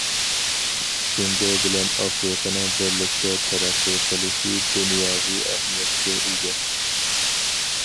جۇڭگو بىلەن ئافرىقىنىڭ بىرلىكتە تەرەققىي قىلىشى دۇنياۋى ئەھمىيەتكە ئىگە.